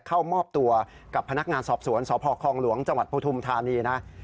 เข้ามอบตัวกับพนักงานสอบสวนสพคลองหลวงจังหวัดปฐุมธานีนะ